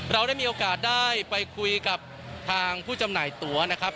เราได้มีโอกาสได้ไปคุยกับทางผู้จำหน่ายตัวนะครับ